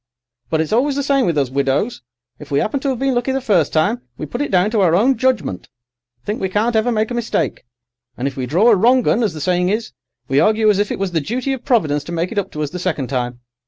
But it's always the same with us widows: if we 'appen to 'ave been lucky the first time, we put it down to our own judgment—think we can't ever make a mistake; and if we draw a wrong 'un, as the saying is, we argue as if it was the duty of Providence to make it up to us the second time.